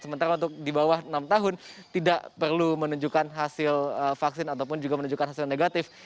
sementara untuk di bawah enam tahun tidak perlu menunjukkan hasil vaksin ataupun juga menunjukkan hasil negatif